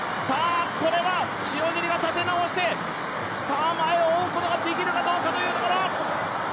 これは塩尻が立て直して、前を追うことができるかどうかというところ。